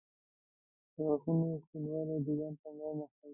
• د غاښونو سپینوالی د ځان پاملرنه ښيي.